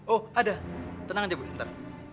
oh ada tenang aja bu sebentar